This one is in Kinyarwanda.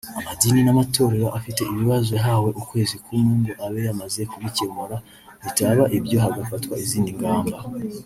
Amadini n’amatorero afite ibibazo yahawe ukwezi kumwe ngo abe yamaze kubikemura bitaba ibyo hagafatwa izindi ngamba